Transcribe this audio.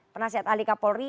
penasihat alika polri